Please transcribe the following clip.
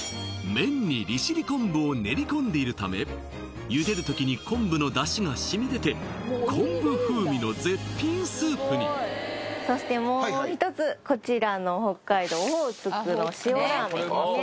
麺に利尻昆布を練り込んでいるため茹でる時に昆布の出汁がしみ出て昆布風味の絶品スープにそしてもう一つこちらの北海道オホーツクの塩ラーメンですね